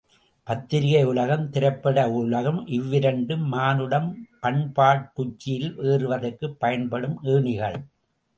பத்திரிகை உலகம், திரைப்பட உலகம் இவ்விரண்டும் மானுடம் பண்பாட்டுச்சியில் ஏறுவதற்குப் பயன்படும் ஏணிகள்!